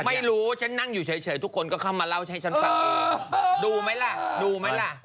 ไม่รู้ฉันนั่งอยู่เฉยทุกคนก็เข้ามาเล่าให้ฉันฟังเอง